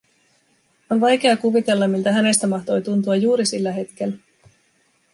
On vaikea kuvitella, miltä hänestä mahtoi tuntua juuri sillä hetkellä.